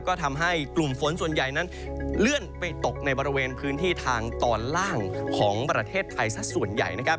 ก็ทำให้กลุ่มฝนส่วนใหญ่นั้นเลื่อนไปตกในบริเวณพื้นที่ทางตอนล่างของประเทศไทยสักส่วนใหญ่นะครับ